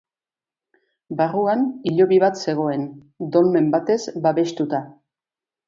Barruan hilobi bat zegoen, dolmen batez babestuta.